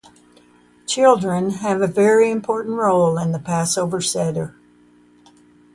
Children have a very important role in the Passover seder.